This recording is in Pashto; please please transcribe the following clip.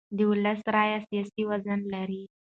د ولس رایه سیاسي وزن لري